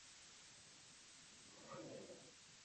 Habita el piso de la maleza de la selva a menudo cerca del agua.